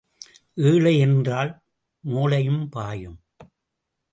ஏழை என்றால் மோழையும் பாயும்.